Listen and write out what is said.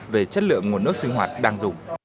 về chất lượng nguồn nước sinh hoạt đang dùng